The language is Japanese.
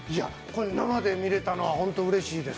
生で見れたのは本当にうれしいです。